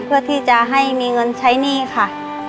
เพื่อที่จะให้มีเงินใช้หนี้ค่ะ